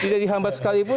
tidak dihambat sekalipun